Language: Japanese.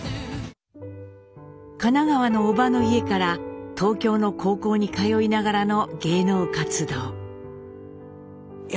神奈川のおばの家から東京の高校に通いながらの芸能活動。